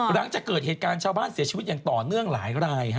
หลังจากเกิดเหตุการณ์ชาวบ้านเสียชีวิตอย่างต่อเนื่องหลายราย